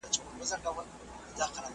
افسر وویل تا وژنم دلته ځکه .